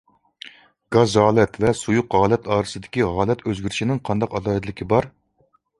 گاز ھالەت ۋە سۇيۇق ھالەت ئارىسىدىكى ھالەت ئۆزگىرىشىنىڭ قانداق ئالاھىدىلىكى بار؟